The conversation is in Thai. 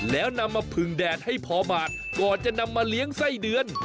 แล้วนำมาผึงแดดให้พอหมาดก่อนจะนำมาเลี้ยงไส้เดือน